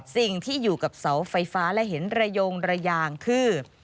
สิ่งที่อยู่กับเสาไฟฟ้าและเห็นระยงระยางคือ